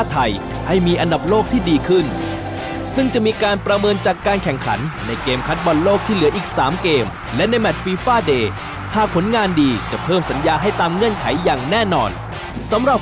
ที่นำเสนอเข้ามาครับ